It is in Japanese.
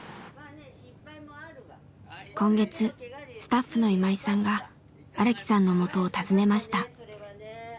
今月スタッフの今井さんが荒木さんのもとを訪ねました。